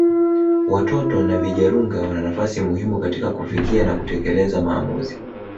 Watoto na vijarunga wana nafasi muhimu katika kufikia na kutekeleza maamuzi